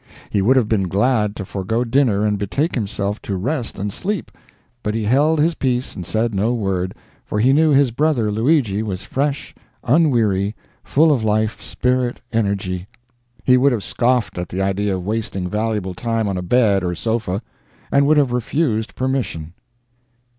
He would have been glad to forego dinner and betake himself to rest and sleep, but he held his peace and said no word, for he knew his brother, Luigi, was fresh, unweary, full of life, spirit, energy; he would have scoffed at the idea of wasting valuable time on a bed or a sofa, and would have refused permission.